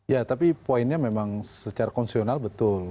ya tapi poinnya memang secara konsesional betul